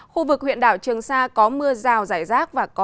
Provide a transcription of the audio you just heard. khu vực huyện đảo trường sa có mưa rào rải rác